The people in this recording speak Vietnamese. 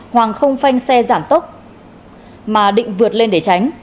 hoàng không phanh xe giảm tốc mà định vượt lên để tránh